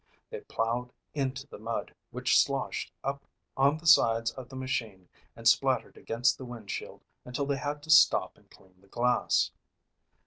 They ploughed into the mud, which sloshed up on the sides of the machine and splattered against the windshield until they had to stop and clean the glass.